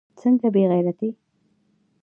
څنگه بې غيرتي.